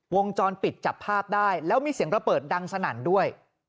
วงจรปิดจับภาพได้แล้วมีเสียงระเบิดดังสนั่นด้วย